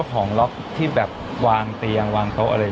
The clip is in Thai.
คือใครเป็นคนตั้งกฎอะไรอย่างนี้สำหรับ